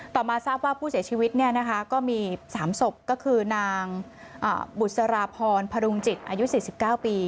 มาทราบว่าผู้เสียชีวิตก็มี๓ศพก็คือนางบุษราพรพรุงจิตอายุ๔๙ปี